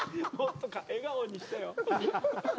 笑顔にしてよ。